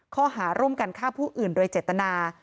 ข้อหาร่วมกันฆ่าผู้อื่นโดยเจตนา